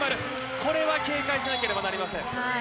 これは警戒しなければなりません。